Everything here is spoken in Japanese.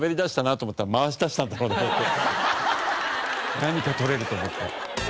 何か撮れると思って。